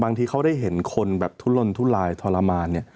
บางทีเขาได้เห็นคนแบบทุลลนทุลายทรมาน